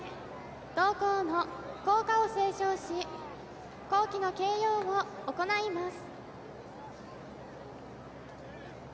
同校の校歌を斉唱し校旗の掲揚を行います。